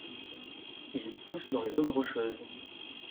Il pousse dans les zones rocheuses..